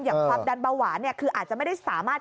ความดันเบาหวานคืออาจจะไม่ได้สามารถ